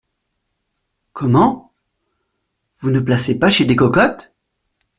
Comment ! vous ne placez pas chez des cocottes !